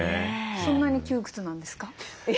そんなに窮屈なんですか？